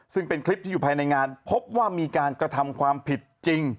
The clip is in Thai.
ซึ่งเป็นคลิปที่อยู่ภายในงานพบว่ามีการกระทำความผิดจริง